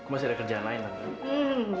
masih ada kerjaan ayah nanti